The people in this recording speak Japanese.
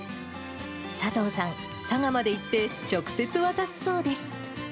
佐藤さん、佐賀まで行って、直接渡すそうです。